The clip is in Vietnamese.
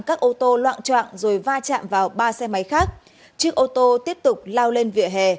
các ô tô loạn trọng rồi va chạm vào ba xe máy khác chiếc ô tô tiếp tục lao lên vỉa hè